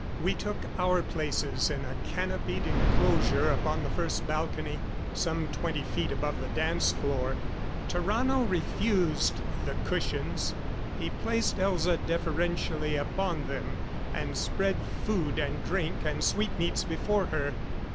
We took our places in a canopied enclosure upon the first balcony, some twenty feet above the dance floor. Tarrano refused the cushions; he placed Elza deferentially upon them, and spread food and drink and sweet meats before her.